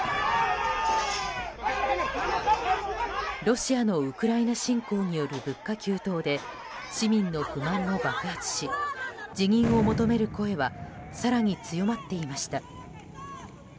ロシアのウクライナ侵攻による物価急騰で市民の不満も爆発し辞任を求める声は更に強まっていました。